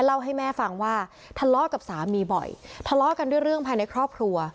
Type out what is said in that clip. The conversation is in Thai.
เล่าให้แม่ฟังว่าทะเลาะกับสามีบ่อยทะเลาะกันด้วยเรื่องภายในครอบครัว